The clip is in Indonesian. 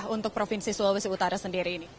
untuk provinsi sulawesi utara sendiri ini